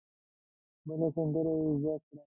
بله سندره یې زده کړه.